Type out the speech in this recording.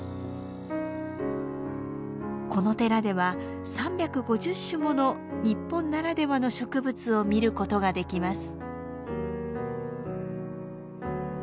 この寺では３５０種もの日本ならではの植物を見ることができます。